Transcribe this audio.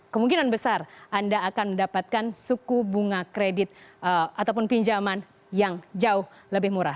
kemungkinan besar anda akan mendapatkan suku bunga kredit ataupun pinjaman yang jauh lebih murah